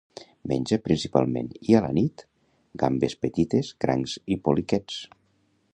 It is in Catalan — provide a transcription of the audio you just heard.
Menja principalment, i a la nit, gambes petites, crancs i poliquets.